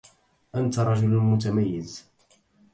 أنت رجل متميز.